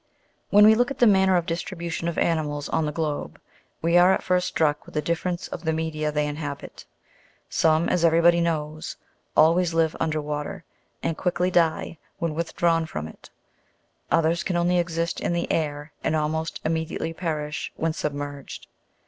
When we look at the manner of distribution of animals on the globe, we are at first struck with the difference of the media they inhabit. Some, as every body knows, always live under water and quickly die when withdrawn from it ; others can only exist in the air and almost immediately perish when submerged.